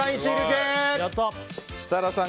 設楽さん